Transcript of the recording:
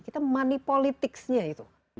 kita politik uangnya itu